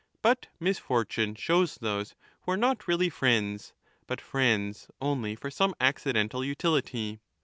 But misfortune shows those 20 who are not really friends, but friends only for some accidental utility.